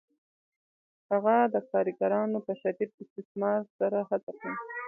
هغه د کارګرانو په شدید استثمار سره هڅه کوي